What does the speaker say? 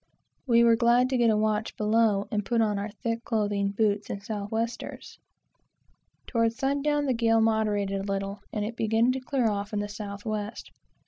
We were glad to get a watch below, and put on our thick clothing, boots, and south westers. Towards sun down the gale moderated a little, and it began to clear off in the south west.